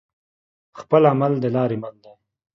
خپل عمل د لارې مل دى.